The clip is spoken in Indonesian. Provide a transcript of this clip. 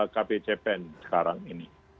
kpcpen sekarang ini